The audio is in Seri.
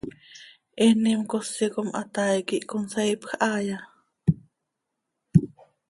¿Eenim cosi com hataai quih consaaipj haaya?